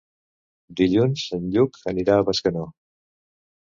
Dilluns en Lluc anirà a Bescanó.